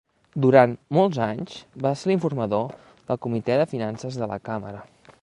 Durant molts anys va ser l'informador del comitè de finances de la càmera.